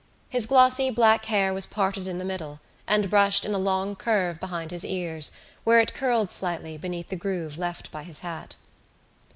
His glossy black hair was parted in the middle and brushed in a long curve behind his ears where it curled slightly beneath the groove left by his hat.